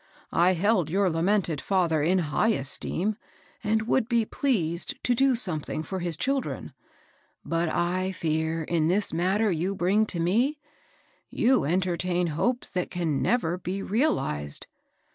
I held your lamented father in high esteem, and would be pleased to do some thing for his children. But I fear, in this matter you bring to me, you entertain hopes that can never be realized.